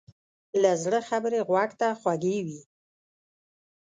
له زړه خبرې غوږ ته خوږې وي.